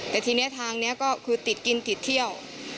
แต่ทีนี้ทางนี้ก็คือติดกินติดเที่ยว